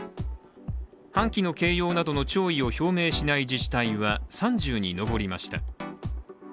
半旗の掲揚などの弔意を表明しない自治体は３０に上りました。